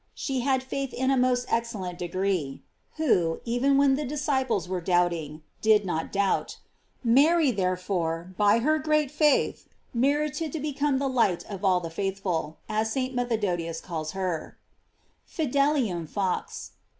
She had faith in a most excellent degree; who, even when the disciples were doubting, did not doubt. Mary, therefore, by her great faith merited to become the light of all the faithful, as St. Methodius calls her: "Fidelium fax."